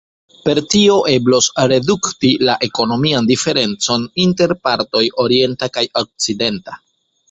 Per tio eblos redukti la ekonomian diferencon inter partoj orienta kaj okcidenta.